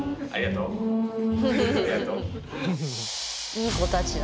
いい子たちだ。